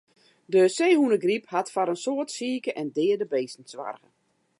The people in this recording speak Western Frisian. De seehûnegryp hat foar in soad sike en deade bisten soarge.